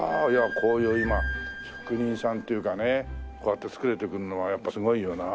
こういう今職人さんというかねこうやって作るっていうのはやっぱすごいよな。